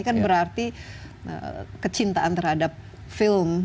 ini kan berarti kecintaan terhadap film